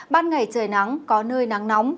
ban ngày trời nắng có nơi nắng nóng